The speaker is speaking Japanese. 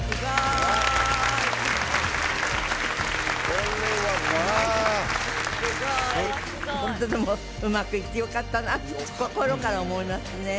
これはまあすごいホントでもうまくいってよかったなって心から思いますね